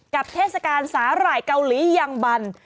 เทศกาลสาหร่ายเกาหลียังบัน